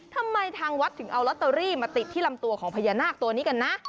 ทางวัดถึงเอาลอตเตอรี่มาติดที่ลำตัวของพญานาคตัวนี้กันนะ